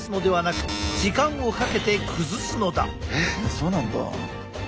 そうなんだ。